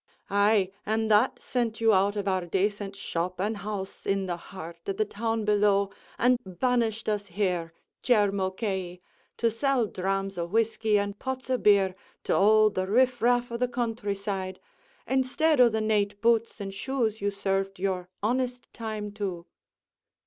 ay, an' that sent you out of our dacent shop an' house, in the heart of the town below, an' banished us here, Jer Mulcahy, to sell drams o' whisky an' pots o' beer to all the riff raff o' the counthry side, instead o' the nate boots an' shoes you served your honest time to?"